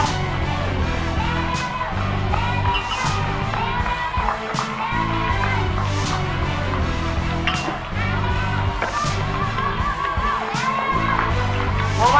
เร็วเร็ว